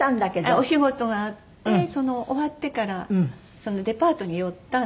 お仕事があって終わってからデパートに寄ったんですね